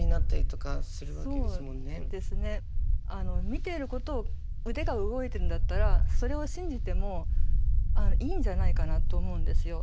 見ていることを腕が動いてるんだったらそれを信じてもいいんじゃないかなと思うんですよ。